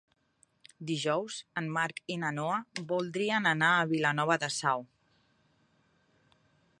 Dijous en Marc i na Noa voldrien anar a Vilanova de Sau.